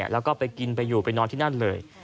แล้วก็ไปกินไปอยู่ไปนอนที่นั่นเลย